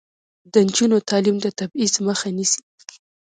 د نجونو تعلیم د تبعیض مخه نیسي.